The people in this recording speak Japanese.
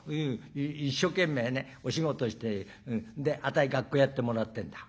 一生懸命ねお仕事してであたい学校やってもらってんだ」。